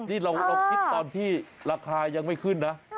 นี่เราคิดตอนที่ราคายังไม่ขึ้นนะ